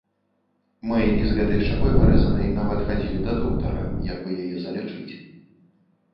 Мы і з гэтай шчакой парэзанай нават хадзілі да доктара, як бы яе залячыць.